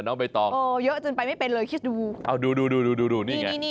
โอ้โหเยอะจนไปไม่เป็นเลยคิดดูเอาดูนี่ไง